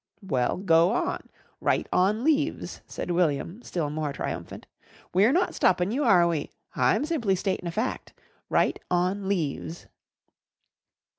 "Well, go on. Write on leaves," said William still more triumphant. "We're not stoppin' you are we? I'm simply statin' a fact. Write on leaves."